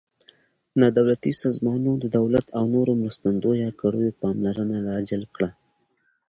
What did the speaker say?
نا دولتي سازمانونو د دولت او نورو مرستندویه کړیو پاملرنه را جلب کړه.